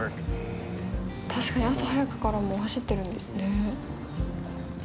確かに朝早くからもう走ってるんですね。